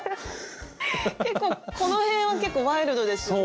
結構この辺は結構ワイルドですよね。